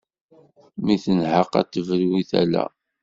Mi tenheq a d-tebru i tala.